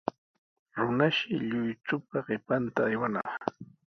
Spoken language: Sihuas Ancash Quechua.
Runashi lluychupa qipanta aywanaq.